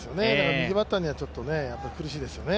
右バッターにはちょっと苦しいですよね。